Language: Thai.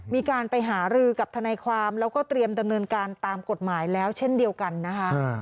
มีการไปหารือกับทนายความแล้วก็เตรียมดำเนินการตามกฎหมายแล้วเช่นเดียวกันนะคะ